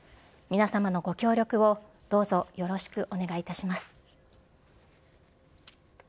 皆さまのご協力をどうぞよろしくお願いいたします。